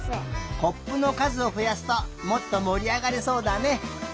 コップのかずをふやすともっともりあがりそうだね！